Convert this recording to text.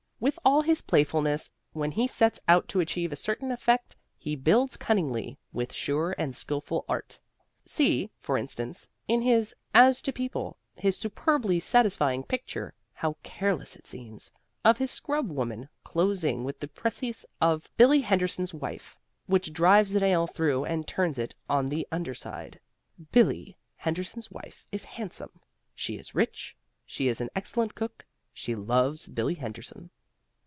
With all his playfulness, when he sets out to achieve a certain effect he builds cunningly, with sure and skillful art. See (for instance) in his "As to People," his superbly satisfying picture (how careless it seems!) of his scrubwoman, closing with the précis of Billy Henderson's wife, which drives the nail through and turns it on the under side Billy Henderson's wife is handsome; she is rich; she is an excellent cook; she loves Billy Henderson.